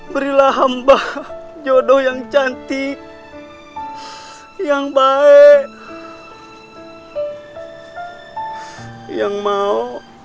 berilah hamba jodoh yang cantik yang baik yang mau